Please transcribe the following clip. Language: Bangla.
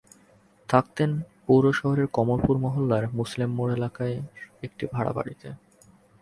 থাকতেন পৌর শহরের কমলপুর মহল্লার মুসলেম মোড় এলাকার একটি ভাড়া বাড়িতে।